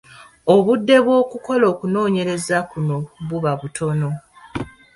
Obudde bw’okukola okunoonyereza kuno buba butono.